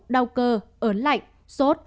đau cơ ớn lạnh sốt